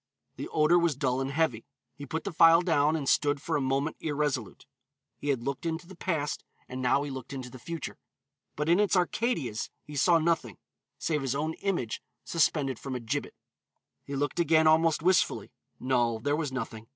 The odor was dull and heavy. He put the phial down and stood for a moment irresolute. He had looked into the past and now he looked into the future. But in its Arcadias he saw nothing, save his own image suspended from a gibbet. He looked again almost wistfully; no, there was nothing.